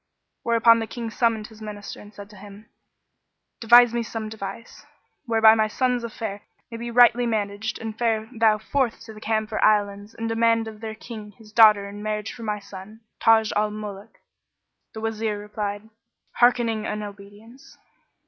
where upon the King summoned his Minister and said to him, "Devise me some device, whereby my son's affair may be rightly managed and fare thou forth to the Camphor Islands and demand of their King his daughter in marriage for my son, Taj al Muluk." The Wazir replied, "Hearkening and obedience."